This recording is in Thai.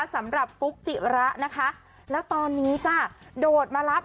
สำหรับฟุ๊กจิระนะคะแล้วตอนนี้จ้ะโดดมารับ